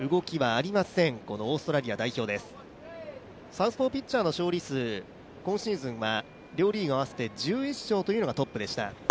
サウスポーピッチャーの勝利数、今シーズンは両リーグ合わせて１１勝というのがトップでした。